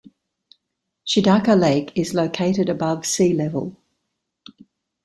Shidaka Lake is located above sea level.